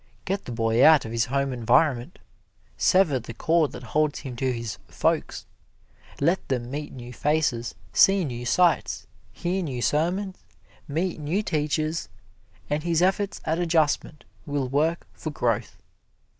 Get the boy out of his home environment; sever the cord that holds him to his "folks"; let him meet new faces, see new sights, hear new sermons, meet new teachers, and his efforts at adjustment will work for growth.